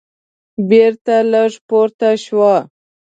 بېرته لږه پورته شوه.